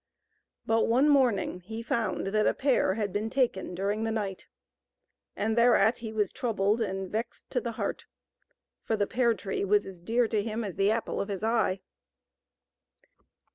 But, one morning, he found that a pear had been taken during the night, and thereat he was troubled and vexed to the heart, for the pear tree was as dear to him as the apple of his eye.